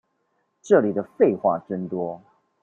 這裡的廢話真多